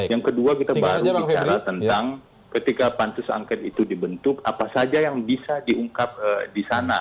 yang kedua kita baru bicara tentang ketika pansus angket itu dibentuk apa saja yang bisa diungkap di sana